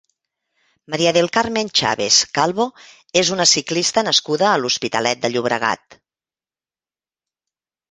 María del Carmen Chaves Calvo és una ciclista nascuda a l'Hospitalet de Llobregat.